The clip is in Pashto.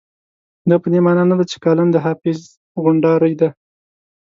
دا په دې مانا نه ده چې کالم د حافظ غونډارۍ ده.